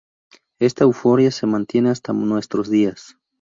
Esta euforia se mantiene hasta nuestros días.